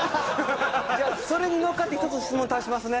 じゃあそれに乗っかって１つ質問足しますね。